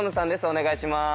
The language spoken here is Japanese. お願いします。